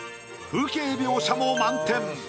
風景描写も満点。